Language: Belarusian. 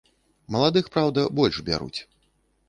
Маладых, праўда, больш бяруць.